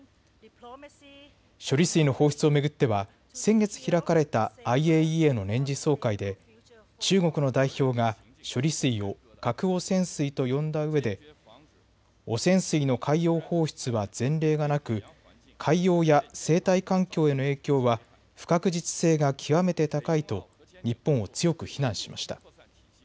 処理水の放出を巡っては先月開かれたＩＡＥＡの年次総会で中国の代表が処理水を核汚染水と呼んだうえで汚染水の海洋放出は前例がなく海洋や生態環境への影響は不確実性が極めて高いと日本を強く非難しました。